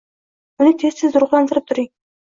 Uni tez-tez ruhlantirib turing.